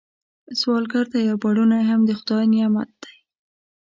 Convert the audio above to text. سوالګر ته یو پړونی هم د خدای نعمت دی